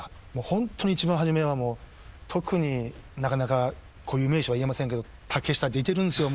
ホントに一番初めは特になかなか固有名詞は言えませんけど竹下っていてるんですよ